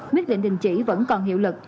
quyết định đình chỉ vẫn còn hiệu lực